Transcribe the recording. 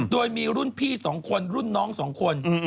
โดยมีรุ่นพี่๒คนรุ่นน้อง๒คน